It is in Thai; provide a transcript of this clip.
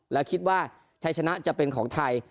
และคิดว่าชัยชนะจะเป็นของไทย